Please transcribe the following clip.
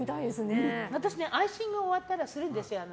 私アイシング終わったらするんです。